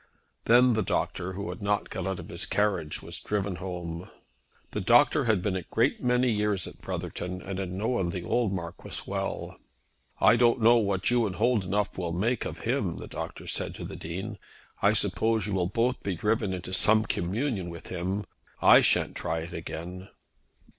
Then the doctor, who had not got out of his carriage, was driven home again. The doctor had been a great many years at Brotherton, and had known the old Marquis well. "I don't know what you and Holdenough will make of him," the doctor said to the Dean. "I suppose you will both be driven into some communion with him. I shan't try it again."